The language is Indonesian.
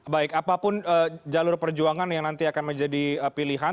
baik apapun jalur perjuangan yang nanti akan menjadi pilihan